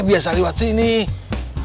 kamu aja gak mempertimbangkan aku ya